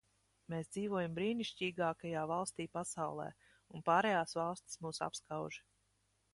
Mēs dzīvojam brīnišķīgākajā valstī pasaulē, un pārējās valstis mūs apskauž.